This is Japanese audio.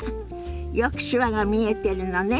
よく手話が見えてるのね。